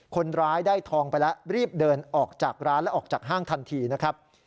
คนร้ายได้ทองไปแล้วรีบเดินออกจากร้านและออกจากห้างทันทีนะครับ